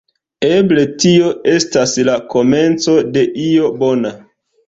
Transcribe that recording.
Eble tio estas la komenco de io bona.